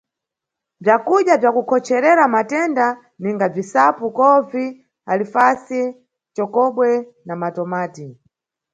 Bzukudya bza kukhocherera matenda, ninga bzisapu, kovi, alifasi, nʼcokobwe na matomati.